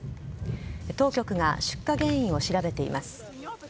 当局が出火原因を調べています。